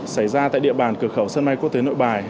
xảy ra tại địa bàn cửa khẩu sân bay quốc tế nội bài